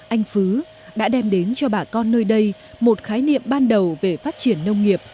anh phứ đã đem đến cho bà con nơi đây một khái niệm ban đầu về phát triển nông nghiệp